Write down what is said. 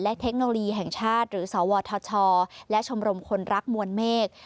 เทคโนโลยีแห่งชาติหรือสวทชและชมรมคนรักมวลเมฆ